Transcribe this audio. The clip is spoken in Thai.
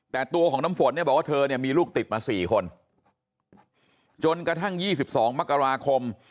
แต่ตัวของน้ำฝนเนี่ยบอกว่าเธอเนี่ยมีลูกติดมา๔คนจนกระทั่ง๒๒มกราคม